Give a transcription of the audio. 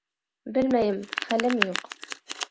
Белмәйем. Хәлем юҡ